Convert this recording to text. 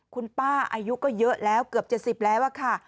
คุณป้าอายุก็เยอะแล้วเกือบ๗๐แล้วค่ะ